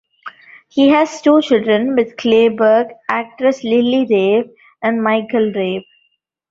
He has two children with Clayburgh, actress Lily Rabe and Michael Rabe.